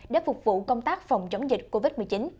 để phục vụ công tác phòng chống dịch covid một mươi chín